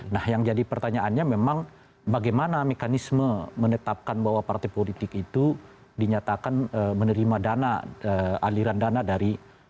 nah yang jadi pertanyaannya memang bagaimana mekanisme menetapkan bahwa partai politik itu dinyatakan menerima dana aliran dana dari